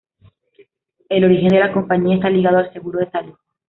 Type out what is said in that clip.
El origen de la compañía está ligado al seguro de salud.